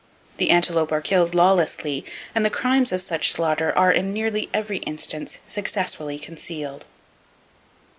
The antelope are killed lawlessly, and the crimes of such slaughter are, in nearly every instance, successfully concealed.